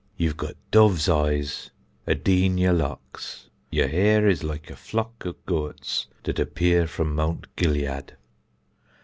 You've got dove's eyes adin yer locks; yer hair is like a flock of goäts dat appear from Mount Gilead.